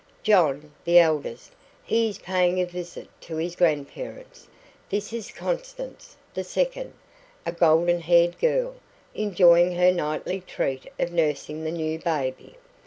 "John, the eldest; he is paying a visit to his grandparents. This is Constance, the second" a golden haired girl, enjoying her nightly treat of nursing the new baby.